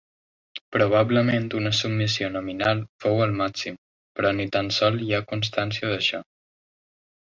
Probablement una submissió nominal fou el màxim, però ni tant sol hi ha constància d'això.